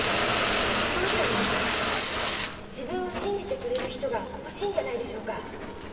お父さんも自分を信じてくれる人が欲しいんじゃないでしょうか。